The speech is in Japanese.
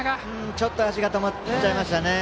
ちょっと足が止まっちゃいましたね。